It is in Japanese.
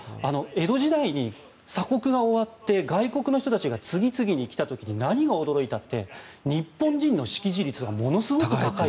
江戸時代に鎖国が終わって外国の人たちが次々に来た時に何に驚いたって日本人の識字率がものすごく高い。